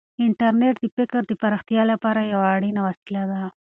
انټرنیټ د فکر د پراختیا لپاره یوه اړینه وسیله ده.